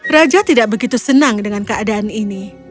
raja tidak begitu senang dengan keadaan ini